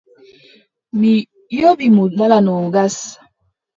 Mi yoɓi mo dala noogas.